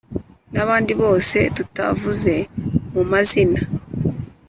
n’abandi bose tutavuze mumazina